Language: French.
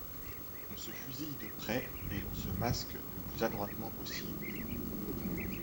On se fusille de près et l'on se masque le plus adroitement possible.